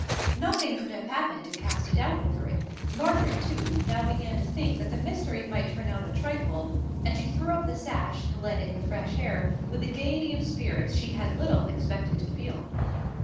Nothing could have happened to cast a doubt over it. Margaret, too, now began to think that the mystery might turn out a trifle; and she threw up the sash, to let in the fresh air, with a gaiety of spirits she had little expected to feel.